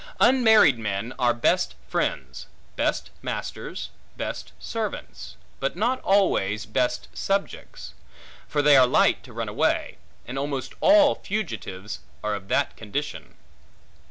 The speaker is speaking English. Unmarried men are best friends, best masters, best servants; but not always best subjects; for they are light to run away; and almost all fugitives, are of that condition.